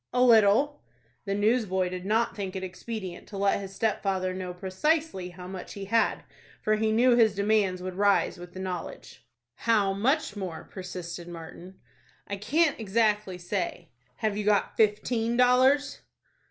"A little." The newsboy did not think it expedient to let his stepfather know precisely how much he had, for he knew his demands would rise with the knowledge. "How much more?" persisted Martin. "I can't exactly say." "Have you got fifteen dollars?"